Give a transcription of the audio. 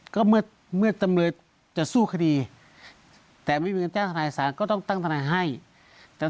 ก็เมื่อจะสู้คดีแต่ไม่มีเงินจ้างธนาศาสตร์ก็ต้องตั้งธนาศาสตร์ให้